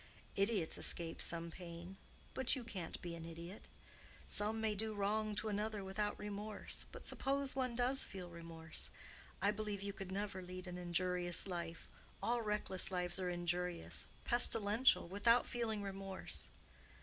Idiots escape some pain; but you can't be an idiot. Some may do wrong to another without remorse; but suppose one does feel remorse? I believe you could never lead an injurious life—all reckless lives are injurious, pestilential—without feeling remorse."